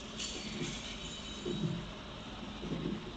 在枯水季节人们可以很容易的从这一处步行或骑马涉水过河。